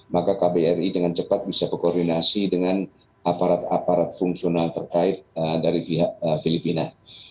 maka kbri dengan cepat bisa berkoordinasi dengan aparat aparat fungsional terkait dari pihak filipina